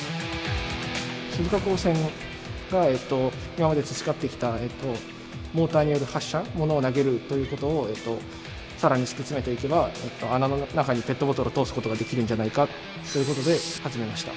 鈴鹿高専が今まで培ってきたモーターによる発射物を投げるということを更に突き詰めていけば穴の中にペットボトルを通すことができるんじゃないかということで始めました。